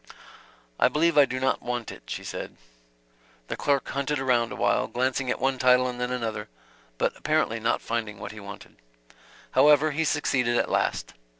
"I believe I do not want it," she said. The clerk hunted around awhile, glancing at one title and then another, but apparently not finding what he wanted. However, he succeeded at last.